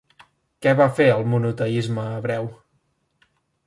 Què va fer el monoteisme hebreu?